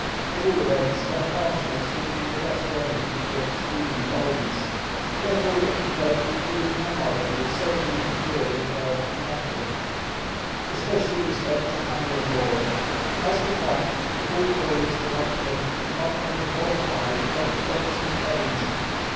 At all events, her harshness will be the best remedy for your extreme indulgence; therefore let me beg that you and my mother will seldom interfere with her 'method,' especially in respect to Harry and Laura. As for Frank, if all boys were like him, we might make a bonfire of birch rods and canes.